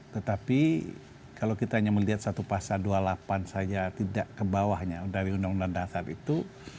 tetapi kalau kita hanya melihat satu pasal dua puluh delapan saja tidak kebawahnya dari undang undang dasar itu